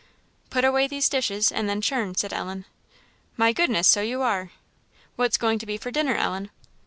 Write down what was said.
"Put away these dishes, and then churn," said Ellen. "My goodness! so you are. What's going to be for dinner, Ellen?"